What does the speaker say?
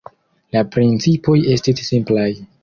La principoj estis simplaj.